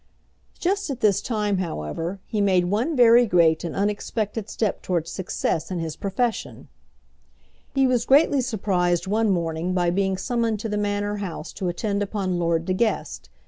Just at this time, however, he made one very great and unexpected step towards success in his profession. He was greatly surprised one morning by being summoned to the Manor House to attend upon Lord De Guest.